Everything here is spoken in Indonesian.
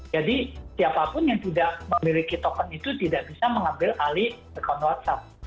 jadi siapapun yang tidak memiliki token itu tidak bisa mengambil alih account whatsapp